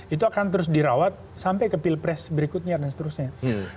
itu akan terus dirawat sampai ke pilpres berikutnya dan seterusnya